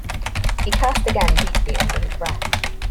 He cursed again deeply under his breath.